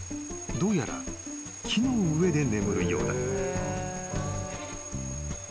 ［どうやら木の上で眠るようだ］